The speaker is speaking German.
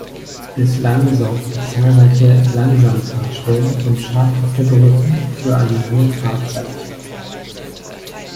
Bislang sorgten zahlreiche Langsamfahrstellen und schadhafte Brücken für eine lange Fahrzeit.